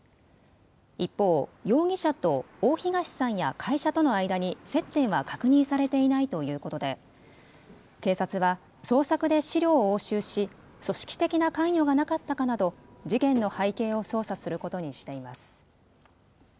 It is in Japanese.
一方、容疑者と大東さんや会社との間に接点は確認されていないということで警察は捜索で資料を押収し組織的な関与がなかったかなど事件の背景を捜査することにしています。